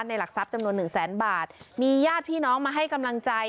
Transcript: หลักทรัพย์จำนวนหนึ่งแสนบาทมีญาติพี่น้องมาให้กำลังใจ